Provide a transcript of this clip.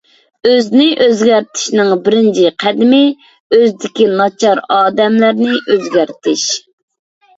ئۆزىنى ئۆزگەرتىشنىڭ بىرىنچى قەدىمى، ئۆزىدىكى ناچار ئادەتلەرنى ئۆزگەرتىش.